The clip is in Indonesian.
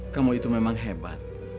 kamu itu memang hebat